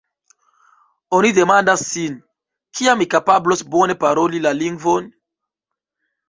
Oni demandas sin: “Kiam mi kapablos bone paroli la lingvon?